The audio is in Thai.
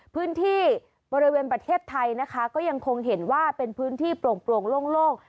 พื้นที่บริเวณประเทศไทยนะคะก็ยังคงเห็นว่าเป็นพื้นที่โปร่งโล่ง